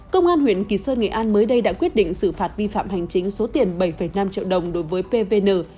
công an huyện kỳ sơn nghệ an mới đây đã quyết định xử phạt vi phạm hành chính số tiền bảy năm triệu đồng đối với pvn